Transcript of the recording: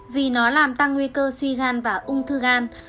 vì nó làm tăng nguy cơ suy gan và ung thư gan